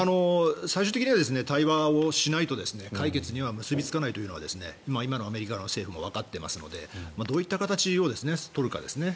最終的には対話をしないと解決には結びつかないというのは今のアメリカ政府もわかっていますのでどういった形を取るかですね。